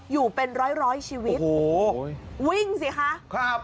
อยู่เป็นร้อยร้อยชีวิตโอ้โหวิ่งสิคะครับ